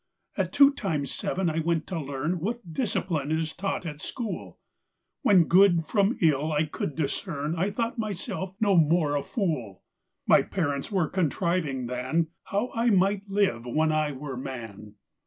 At two times seven I went to learn What discipline is taught at school: When good from ill I could discern, I thought myself no more a fool: My parents were contriving than, How I might live when I were man.